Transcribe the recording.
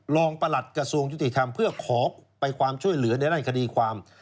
ประหลัดกระทรวงยุติธรรมเพื่อขอไปความช่วยเหลือในด้านคดีความ